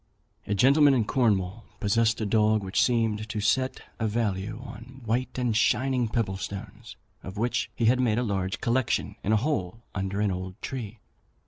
A gentleman in Cornwall possessed a dog, which seemed to set a value on white and shining pebble stones, of which he had made a large collection in a hole under an old tree.